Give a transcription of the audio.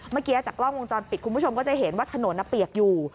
เมื่อกี้จากกล้องวงจรปิดคุณผู้ชมก็จะเห็นว่าถนนเปียกอยู่